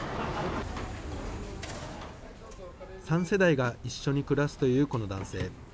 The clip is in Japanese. ３世代が一緒に暮らすというこの男性。